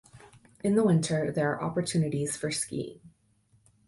In the winter, there are opportunities for skiing.